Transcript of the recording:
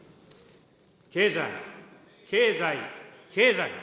経済、経済、経済。